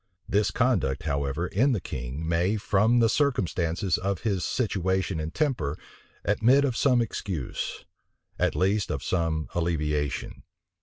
This conduct, however, in the king may, from the circumstances of his situation and temper, admit of some excuse; at least, of some alleviation.